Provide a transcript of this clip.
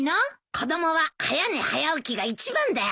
子供は早寝早起きが一番だよ。